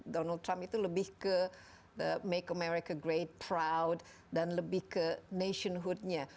donald trump itu lebih ke make america great proud dan lebih ke nationhood nya